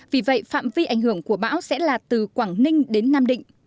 vì vậy phạm vi ảnh hưởng của bão sẽ là từ quảng ninh đến nam định